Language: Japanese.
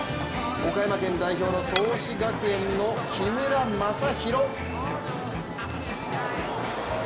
岡山県代表の創志学園の木村政裕。